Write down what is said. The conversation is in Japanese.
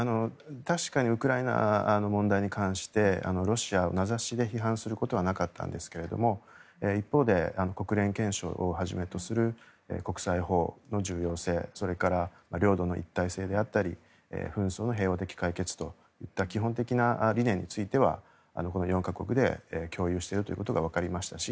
確かにウクライナの問題に対してロシアを名指しで批判することはなかったんですが一方で、国連憲章をはじめとする国際法の重要性それから領土の一体性であったり紛争の平和的解決といった基本的な理念についてはこの４か国で共有しているということがわかりましたし